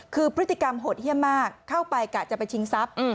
คือพฤติกรรมโหดเยี่ยมมากเข้าไปกะจะไปชิงทรัพย์